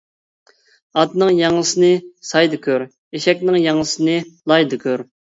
ئاتنىڭ ياڭزىسىنى سايدا كور، ئېشەكنىڭ ياڭزىسىنى لايدا كۆر.